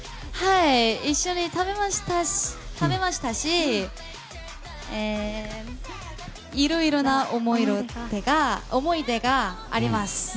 一緒に食べましたしいろいろな思い出があります。